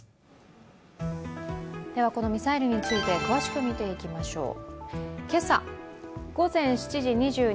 このミサイルについて詳しく見ていきましょう。